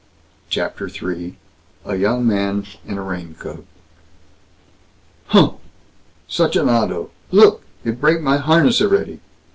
CHAPTER III A YOUNG MAN IN A RAINCOAT "Huh! Such an auto! Look, it break my harness a'ready!